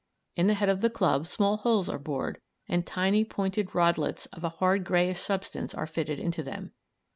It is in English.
In the head of the club small holes are bored, and tiny pointed rodlets of a hard greyish substance are fitted into them.